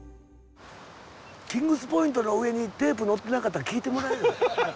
キングスポイントの上にテープ載ってなかったか聞いてもらえる？